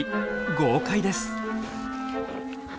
豪快です。